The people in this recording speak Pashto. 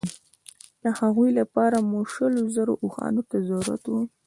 د هغوی لپاره مو شلو زرو اوښانو ته ضرورت وو.